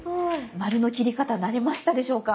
丸の切り方慣れましたでしょうか？